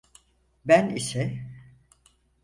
Ben ise…